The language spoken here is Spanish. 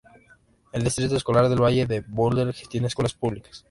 El Distrito Escolar del Valle de Boulder gestiona escuelas públicas.